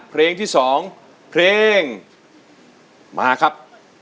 เพลงที่๒เพลงมาครับ